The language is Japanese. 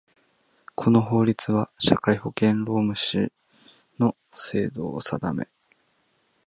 この法律は、社会保険労務士の制度を定め